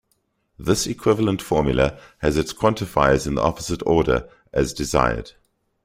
This equivalent formula has its quantifiers in the opposite order, as desired.